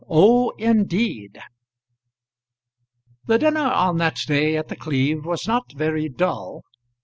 OH, INDEED! The dinner on that day at The Cleeve was not very dull.